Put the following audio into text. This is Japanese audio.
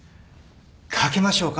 賭けましょうか？